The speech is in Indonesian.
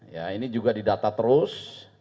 ya ini juga didata terus